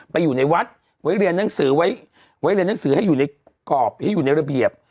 อยู่ในวัดไว้เรียนหนังสือไว้เรียนหนังสือให้อยู่ในกรอบให้อยู่ในระเบียบ